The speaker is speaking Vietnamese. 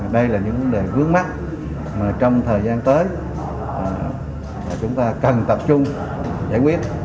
đây là những vấn đề vướng mắt mà trong thời gian tới chúng ta cần tập trung giải quyết